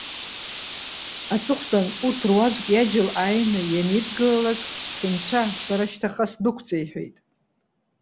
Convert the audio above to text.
Аҵыхәтәан, урҭ руаӡәк иаџьал ааины ианидгылалаак:- Сынцәа! Сара шьҭахьҟа сдәықәҵа!- иҳәеит.